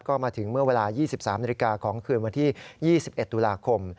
ก็มาถึงเมื่อเวลา๒๓นาฬิกาของคืนวันที่๒๑ตุลาคม